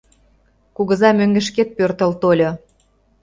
Кугыза мӧҥгышкет пӧртыл тольо